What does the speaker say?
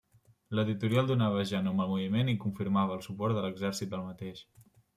L'editorial donava ja nom al moviment i confirmava el suport de l'exèrcit al mateix.